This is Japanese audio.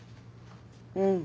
うん。